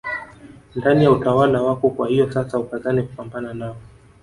Ndani ya utawala wako kwa hiyo sasa ukazane kupambana nao